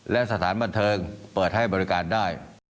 และสถานบันเทิงเปิดให้บริการได้